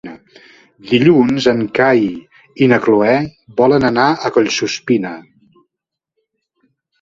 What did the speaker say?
Dilluns en Cai i na Cloè volen anar a Collsuspina.